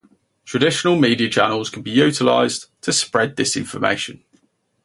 Traditional media channels can be utilized to spread disinformation.